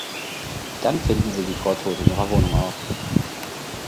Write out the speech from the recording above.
Dann findet sie die Frau tot in ihrer Wohnung auf.